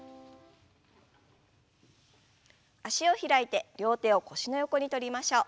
脚を開いて両手を腰の横にとりましょう。